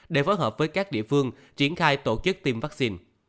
để phối hợp với các địa phương triển khai tổ chức tiêm vaccine